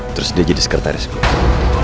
terus dia jadi sekretaris begitu